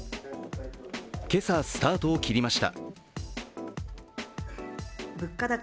今朝、スタートを切りました。